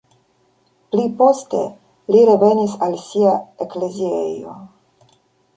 Pli poste li revenis al sia ekleziejo.